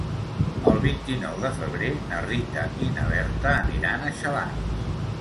El vint-i-nou de febrer na Rita i na Berta aniran a Xalans.